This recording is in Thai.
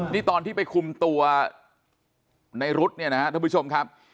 นี่ตอนที่ไปคุมตัวในรุ๊ดเนี่ยนะครับท่านผู้ชมครับ